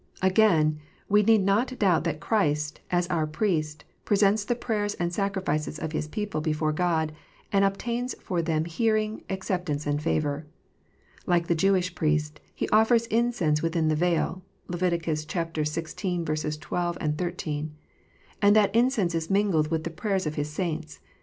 249 (4) Again : we need not doubt that Christ, as our Priest, presents the prayers and services of His people before God, and obtains for them hearing, acceptance, and favour. Like the Jewish Priest, He offers incense within the veil (Lev. xvi. 12, 13), and that incense is mingled with the prayers of His saints.